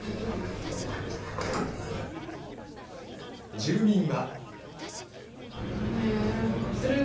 住民は。